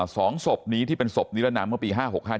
สองศพนี้ที่เป็นศพนิรนามเมื่อปี๕๖๕